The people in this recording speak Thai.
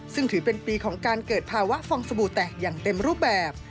ซึ่งถือเป็นปีของการเกิดภาวะฟองสบู่แตกอย่างเต็มรูปแบบ